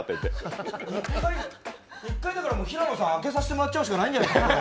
平野さん、開けさせてもらっちゃうしかないんじゃないですかね。